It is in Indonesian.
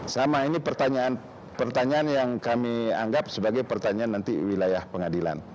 sama ini pertanyaan yang kami anggap sebagai pertanyaan nanti wilayah pengadilan